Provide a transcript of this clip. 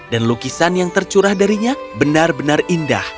dan lukisan yang tercurah darinya benar benar indah